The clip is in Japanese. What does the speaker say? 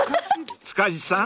［塚地さん